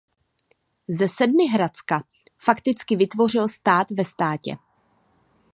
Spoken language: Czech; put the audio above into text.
Ze Sedmihradska fakticky vytvořil stát ve státě.